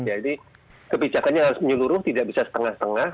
kebijakannya harus menyeluruh tidak bisa setengah setengah